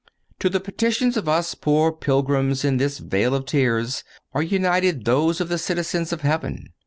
(209) To the petitions of us, poor pilgrims in this vale of tears, are united those of the citizens of heaven.